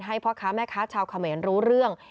พ่อค้าแม่ค้าชาวเขมรรู้เรื่อง